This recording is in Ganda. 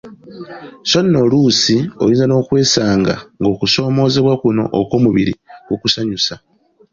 So nno oluusi oyinza n'okwesanga ng'okusoomoozebwa kuno okw'omubiri kukusanyusa.